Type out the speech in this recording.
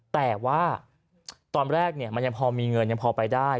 แต่ว่าตอนแรกมันยังพอมีเงินยังพอไปได้